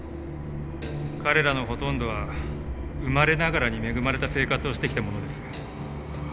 彼らのほとんどは生まれながらに恵まれた生活をしてきた者です。